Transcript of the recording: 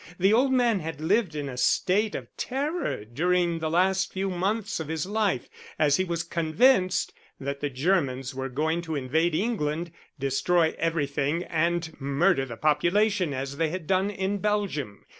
The old man had lived in a state of terror during the last few months of his life, as he was convinced that the Germans were going to invade England, destroy everything, and murder the population as they had done in Belgium.